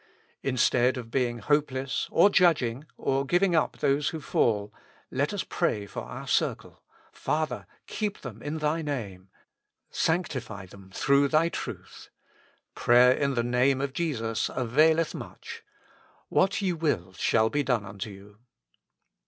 Instead of being hopeless or judging or giving up those who fall, let us pray for our circle, " Father ! keep them in Thy Name ;"" Sanctify them through Thy truth." Prayer in the Name of Jesus availeth much :" What ye will shall be done unto you."